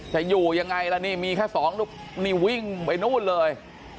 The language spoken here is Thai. จะอยู่ยังไงล่ะนี่มีแค่สองลูกนี่วิ่งไปนู่นเลย